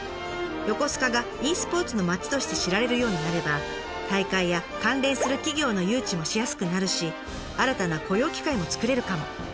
横須賀がｅスポーツの街として知られるようになれば大会や関連する企業の誘致もしやすくなるし新たな雇用機会も作れるかも。